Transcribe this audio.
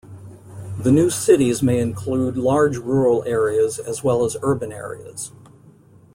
The new "cities" may include large rural areas as well as urban areas.